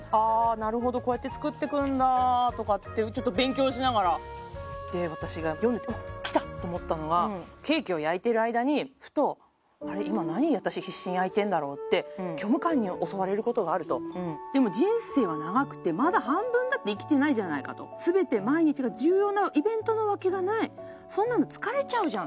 なるほどこうやって作っていくんだとかってちょっと勉強しながらで私が読んでて「うわっ！きた！」と思ったのはケーキを焼いてる間にふと「あれ今何私必死に焼いてんだろう？」って虚無感に襲われることがあるとでも人生は長くてまだ半分だって生きてないじゃないかと全て毎日が重要なイベントなわけがないそんなの疲れちゃうじゃん